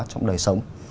trong đời sống